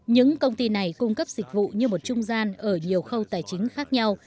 những công ty này cung cấp dịch vụ như một trung gian ở nhiều khâu tài chính khác nhau